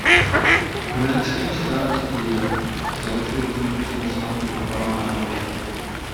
V americkém státě Indiana založil komunitu nazvanou Nová Harmonie.